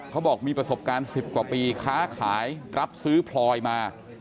เขาบอกมีประสบการณ์๑๐กว่าปีค้าขายรับซื้อพลอยมา